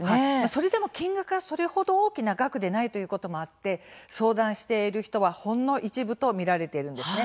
それでも、金額がそれほど大きな額でないということもあって、相談している人はほんの一部と見られているんです。